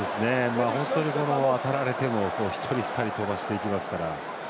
当たられても１人、２人飛ばしていきますから。